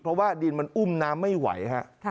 เพราะว่าดินมันอุ้มน้ำไม่ไหวฮะ